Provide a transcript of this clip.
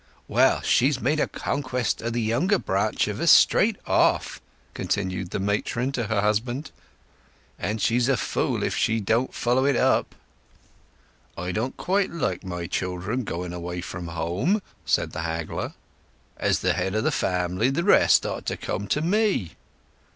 "Well, she's made a conquest o' the younger branch of us, straight off," continued the matron to her husband, "and she's a fool if she don't follow it up." "I don't quite like my children going away from home," said the haggler. "As the head of the family, the rest ought to come to me."